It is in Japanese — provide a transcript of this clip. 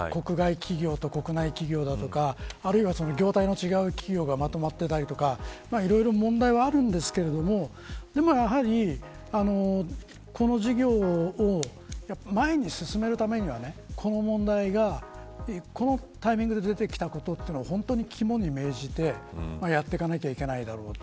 行政と民間企業とか国外企業、国内企業とかあるいは業態の企業がまとまってたりとかいろいろ問題はあるんですけどでもやはり、この事業を前に進めるためにはこの問題がこのタイミングで出てきたことは本当に肝に銘じてやっていかなければいけないだろうと。